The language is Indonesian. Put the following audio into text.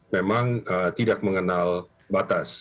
memang tidak mengenal batas